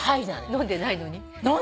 飲んでないの。